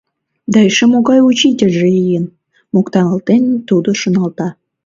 «Да эше могай учительже лийын! — моктаналтен тудо шоналта.